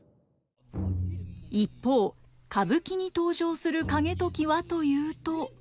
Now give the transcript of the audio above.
一方歌舞伎に登場する景時はというと。